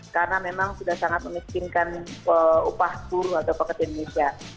karena memang sudah sangat memikinkan upah buruh agar pekerja indonesia